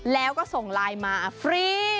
แล้วก็ส่งไลน์มาฟรี